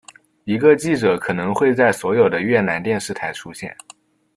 一个记者可能会在所有的越南电视台出现。